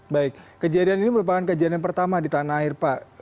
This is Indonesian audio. baik kejadian ini merupakan kejadian pertama di tanah air pak